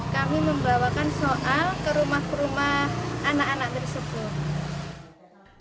kami membawakan soal ke rumah ke rumah anak anak tersebut